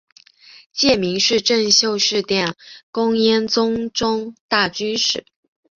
戒名是政秀寺殿功庵宗忠大居士。